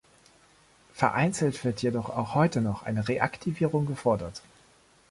Vereinzelt wird jedoch auch heute noch eine Reaktivierung gefordert.